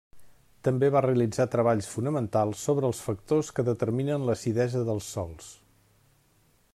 També va realitzar treballs fonamentals sobre els factors que determinen l'acidesa dels sòls.